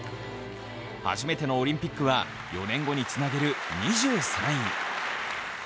初めてのオリンピックは、４年後につなげる２３位。